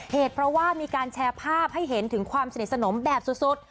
เหตุเพราะว่ามีการแชร์ภาพให้เห็นถึงความสนิทสนมแบบสุด